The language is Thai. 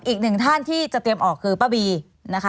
อีกหนึ่งท่านที่จะเตรียมออกคือป้าบีนะคะ